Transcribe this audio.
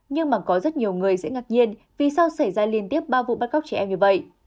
nhưng mà có rất nhiều người sẽ ngạc nhiên vì sao xảy ra liên tiếp ba vụ bắt cóc trẻ em như vậy